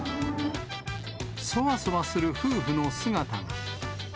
そわそわする夫婦の姿が。